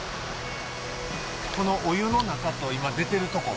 このお湯の中と今出てる所